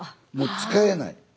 もう使えない。